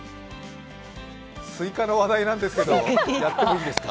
すいかの話題なんですけど、やってもいいですか？